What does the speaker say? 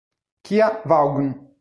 Kia Vaughn